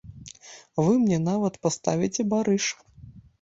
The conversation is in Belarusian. Вы мне нават паставіце барыш.